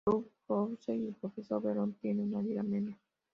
Ruby Roundhouse y el profesor Oberon tienen una vida menos.